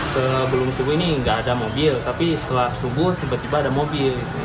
sebelum subuh ini nggak ada mobil tapi setelah subuh tiba tiba ada mobil